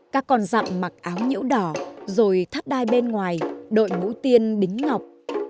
các con dặm mặc áo nhũ đỏ rồi thắp đai bên ngoài đội mũ tiên đính ngọc